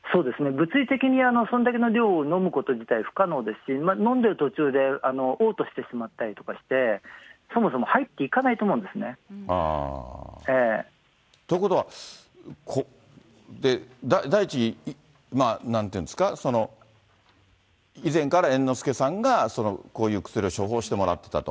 物理的にそれだけの量を飲むこと自体不可能ですし、飲んでる途中でおう吐してしまったりとかして、そもそも入っていということは、第一、なんていうんですか、以前から猿之助さんが、こういう薬を処方してもらってたと。